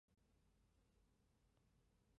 土地经济学中的边际土地有三种